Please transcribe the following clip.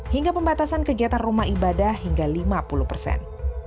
hingga pembatasan kegiatan rumah ibadah hingga lima puluh persen